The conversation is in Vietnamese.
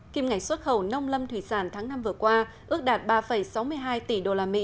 kim ngạch xuất khẩu nông lâm thủy sản tháng năm vừa qua ước đạt ba sáu mươi hai tỷ usd